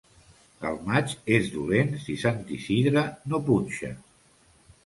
El maig és dolent si Sant Isidre no punxa.